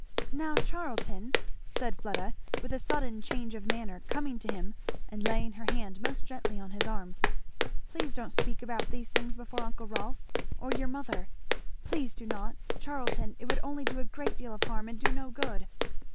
"Now Charlton," said Fleda with a sudden change of manner, coming to him and laying her hand most gently on his arm, "please don't speak about these things before uncle Rolf or your mother Please do not! Charlton! It would only do a great deal of harm and do no good."